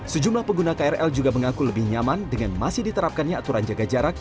sejumlah pengguna krl juga mengaku lebih nyaman dengan masih diterapkannya aturan jaga jarak